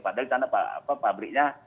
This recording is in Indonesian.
padahal karena apa pabriknya